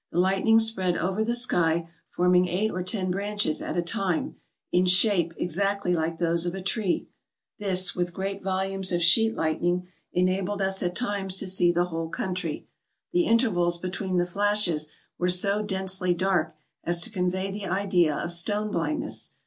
The lightning spread over the sky, forming eight or ten branches at a time, in shape exactly like those of a tree. This, with great volumes of sheet lightning, enabled us at times to see the whole country. The intervals be tween the flashes were so densely dark as to convey the idea of stone blindness.